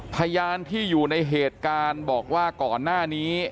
พยานที่อยู่ในเหตุการณ์บอกว่าก่อนหน้านี้